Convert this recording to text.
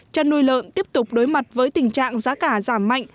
chăn nuôi lợn tiếp tục đối mặt với tình trạng giá cả giảm mạnh